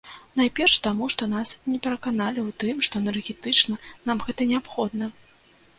Найперш таму, што нас не пераканалі ў тым, што энергетычна нам гэта неабходна.